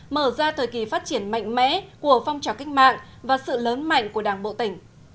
mở ra thời kỳ phát triển mạnh mẽ của phong trào cách mạng và sự lớn mạnh của đảng bộ tỉnh